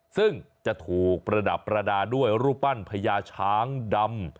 ซึ่งจะถูกประดับประดาษด้วยรูปปั้นพญาช้างดำ